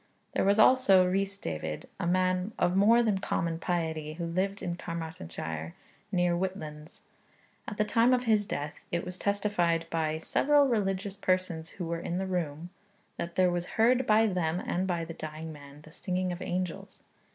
There was also Rees David, a man of more than common piety, who lived in Carmarthenshire, near Whitlands. At the time of his death, it was testified by 'several religious persons who were in the room,' that there was heard, by them and by the dying man, the singing of angels.